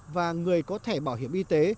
và người có thẻ bảo hiểm y tế